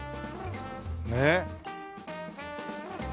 ねえ。